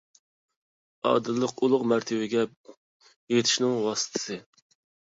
ئادىللىق – ئۇلۇغ مەرتىۋىگە يېتىشنىڭ ۋاسىتىسى.